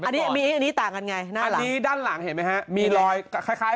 อันนี้อันนี้ต่างกันไงนะอันนี้ด้านหลังเห็นไหมฮะมีรอยคล้ายคล้าย